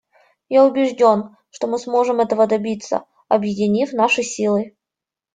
Я убежден, что мы сможем этого добиться, объединив наши силы.